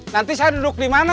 nanti saya duduk di mana